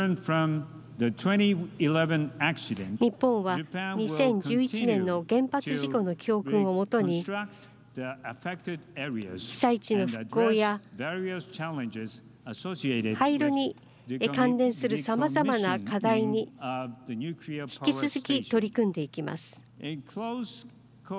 日本は２０１１年の原発事故の教訓をもとに被災地の復興や廃炉に関連するさまざまな課題に引き続き取り組んでいきます。